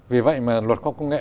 vì vậy mà luật khoa học công nghệ